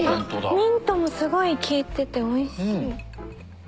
ミントもすごい効いてておいしい。